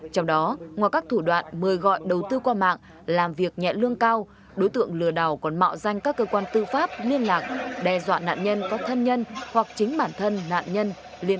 trong đó ngoài các thủ đoạn mời gọi đầu tư qua mạng làm việc nhẹ lương cao đối tượng lừa đảo còn mạo danh các cơ quan tư pháp liên lạc đe dọa nạn nhân có thân nhân hoặc chính bản thân nạn nhân